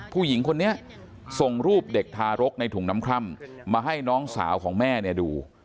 ผู้หญิงคนนี้ส่งรูปเด็กทารกในถุงน้ำคร่ำมาให้น้องสาวของแม่เนี่ยดู